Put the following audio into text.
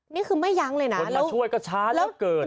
นี่คือไม่ยั้งเลยนะคนมาช่วยก็ช้าเหลือเกิน